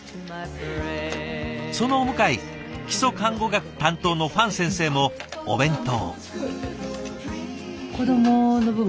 そのお向かい基礎看護学担当の方先生もお弁当。